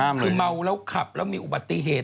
คือเมาแล้วขับแล้วมีอุบัติเหตุ